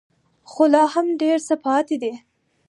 خو لا هم ډېر څه پاتې دي.